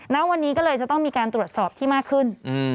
ณวันนี้ก็เลยจะต้องมีการตรวจสอบที่มากขึ้น